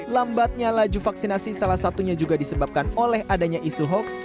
lambatnya laju vaksinasi salah satunya juga disebabkan oleh adanya isu hoax